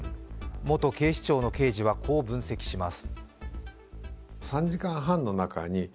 元警視庁の刑事はこう分析します。